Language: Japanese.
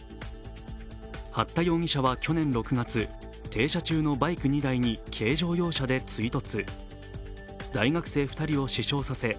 八田容疑者は去年６月、停車中のバイク２台に軽乗用車で追突。